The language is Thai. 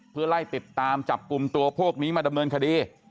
เพื่อไล่ติดตามจับกลุ่มตัวพวกนี้มาดำเนินคดี